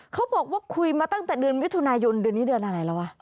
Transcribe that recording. เขาบอกว่าคุยมาตั้งแต่เดือนมิถุนายนเดือนนี้เดือนอะไรแล้ววะ